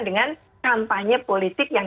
dengan kampanye politik yang